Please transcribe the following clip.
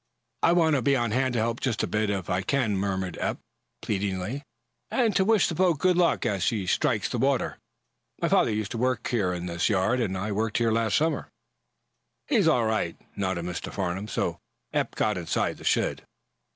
"I want to be on hand to help just a bit, if I can," murmured Eph, pleadingly, "and to wish the boat good luck as she strikes the water. My father used to work in this yard, and I worked here last summer." "He's all right," nodded Mr. Farnum, so Eph got inside the shed.